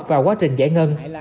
và quá trình giải ngân